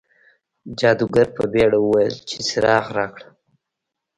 جادوګر په بیړه وویل چې څراغ راکړه.